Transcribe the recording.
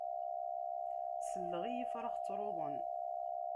Selleɣ i ifrax ttruḍen.